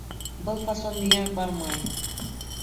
Был фасон миңә бармай